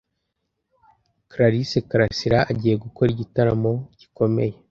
Clarisse Karasira agiye gukora igitaramo gikomeye